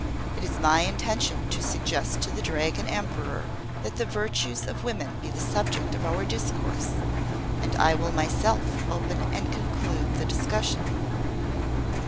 It is my intention to suggest to the Dragon Emperor that the virtues of women be the subject of our discourse, and I will myself open and conclude the discussion."